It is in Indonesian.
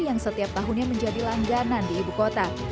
yang setiap tahunnya menjadi langganan di ibu kota